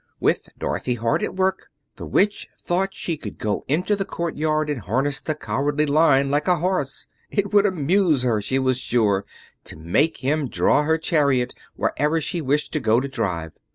With Dorothy hard at work, the Witch thought she would go into the courtyard and harness the Cowardly Lion like a horse; it would amuse her, she was sure, to make him draw her chariot whenever she wished to go to drive.